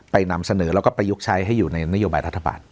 นำเสนอแล้วก็ประยุกต์ใช้ให้อยู่ในนโยบายรัฐบาล